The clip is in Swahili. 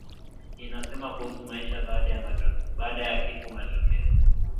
inasema kuhusu maisha baada ya kifo Matokeo